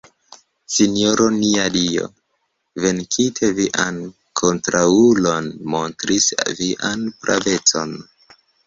Sinjoro nia Dio, venkinte vian kontraŭulon, montris vian pravecon.